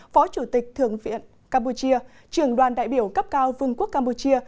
phó chủ tịch thượng viện campuchia trường đoàn đại biểu cấp cao vương quốc campuchia